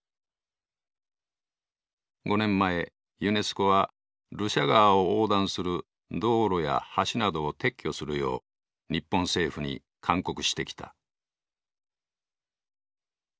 ５年前ユネスコはルシャ川を横断する道路や橋などを撤去するよう日本政府に勧告してきた。